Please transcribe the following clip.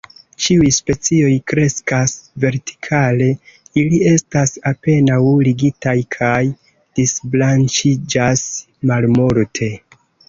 Ĉiuj specioj kreskas vertikale, ili estas apenaŭ ligitaj kaj disbranĉiĝas malmulte.